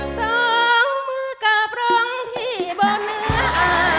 สองมือกับร้องที่บนเนื้ออ่า